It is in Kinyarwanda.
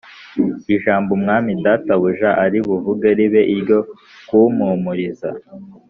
ijambo umwami databuja ari buvuge ribe iryo kumpumuriza